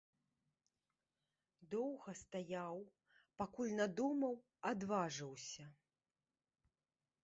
Доўга стаяў, пакуль надумаў, адважыўся.